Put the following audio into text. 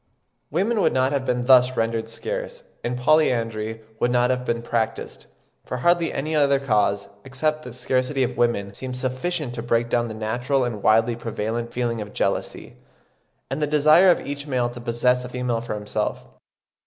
Women would not have been thus rendered scarce, and polyandry would not have been practised; for hardly any other cause, except the scarcity of women seems sufficient to break down the natural and widely prevalent feeling of jealousy, and the desire of each male to possess a female for himself.